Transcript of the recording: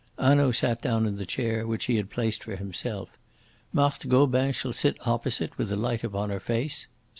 Hanaud sat down in the chair which he had placed for himself. "Marthe Gobin shall sit opposite, with the light upon her face.